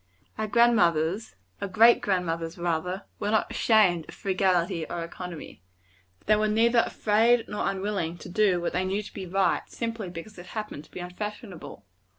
Our grand mothers our great grand mothers, rather were not ashamed of frugality or economy. They were neither afraid nor unwilling to do what they knew to be right, simply because it happened to be unfashionable.